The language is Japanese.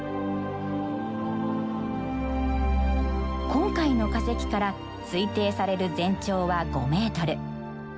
今回の化石から推定される全長は５ｍ。